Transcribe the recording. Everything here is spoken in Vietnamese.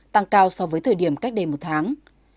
tăng cao so với thời điểm cách đây một tháng